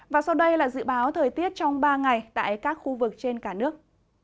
và sau đây là dự báo thời tiết trong ba ngày tại các khu vực trên cả nước